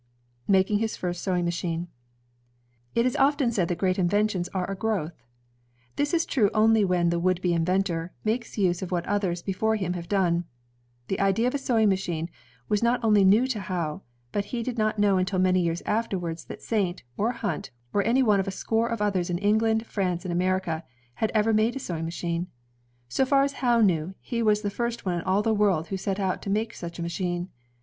Making His First Sewing Machine It is often said that great inventions are a growth. This is true only when the would be inventor makes use of what others before him have done. The idea of a sewing machine was not only new to Howe, but he did not know imtil many years afterwards that Saint, or Himt, or any one of a score of others in England, France, and America had ever made a sewing machine. So far as Howe knew, he was the first one in all the world who set oijt to make such a machine.